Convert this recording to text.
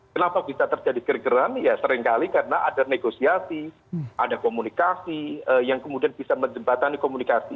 kenapa bisa terjadi gergeran ya seringkali karena ada negosiasi ada komunikasi yang kemudian bisa menjembatani komunikasi